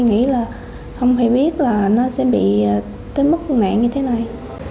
không thể biết là nó sẽ bị tới mức nạn như thế này